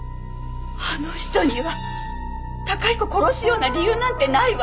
あの人には崇彦殺すような理由なんてないわ。